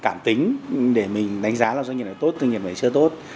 cảm tính để mình đánh giá là doanh nghiệp này tốt doanh nghiệp này chưa tốt